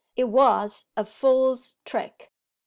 It was a fool's trick.